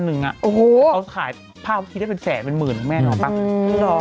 เขาขายผ้าพักที่ได้เป็นแสนเป็นหมื่นบาทคุณแม่รู้หรือเปล่า